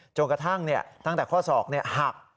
จนกระทั่งตั้งแต่ข้อศอกหัก